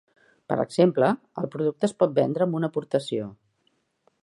Per exemple, el producte es pot vendre amb una aportació.